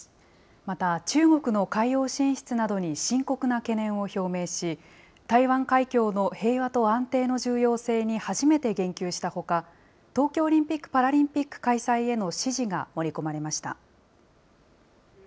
また、中国の海洋進出などに深刻な懸念を表明し、台湾海峡の平和と安定の重要性に初めて言及したほか、東京オリンピック・パラリンピック開催への支持が盛り込まれました。